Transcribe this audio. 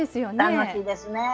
楽しいですね。